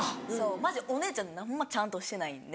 マジお姉ちゃん何もちゃんとしてないんで。